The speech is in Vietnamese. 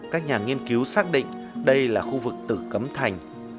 các nhà nghiên cứu xác định đây là khu vực tử cấm thành